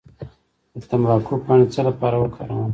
د تمباکو پاڼې د څه لپاره وکاروم؟